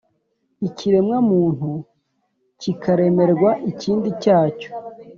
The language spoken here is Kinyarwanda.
Ikiremwamuntu kikaremerwa ikindi cyacyo